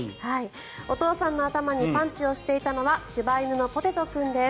お父さんの頭にパンチをしていたのは柴犬のぽてと君です。